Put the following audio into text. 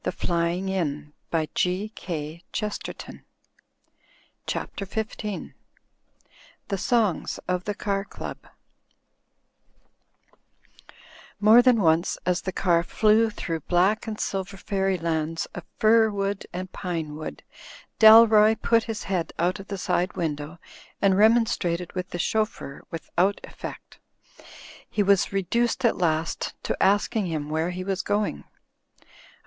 Digitized by CjOOQ IC CHAPTER XV THE SONGS OF THE CAR CLUB More than once as the car flew through black and silver fairylands of fir wood and pine wood, Dalroy put his head out of the side window and remonstrated with the chauffeur without effect. He was reduced at last to asking him where he was going.